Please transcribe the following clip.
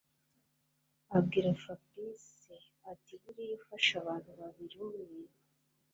abwira Fabric atiburiya ufashe abantu babiri umwe